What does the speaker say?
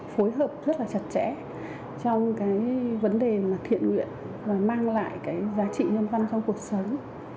phối hợp rất là chặt chẽ trong vấn đề thiện nguyện và mang lại giá trị nhân văn trong cuộc sống